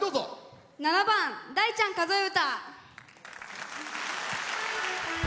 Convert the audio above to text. ７番「大ちゃん数え唄」。